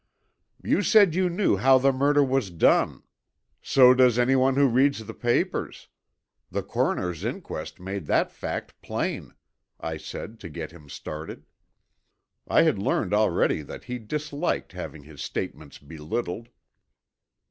"You said you knew how the murder was done. So does anyone who reads the papers. The coroner's inquest made that fact plain," I said to get him started. I had learned already that he disliked having his statements belittled.